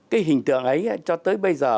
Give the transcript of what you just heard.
cái hình tượng ấy cho tới bây giờ